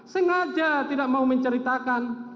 sengaja tidak mau menceritakan